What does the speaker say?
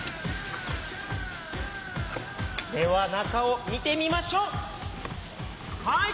では中を見てみましょう！はい！